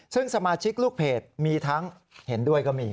ซึ่งสมาชิกลูกเพจมีทั้งเห็นด้วยก็มี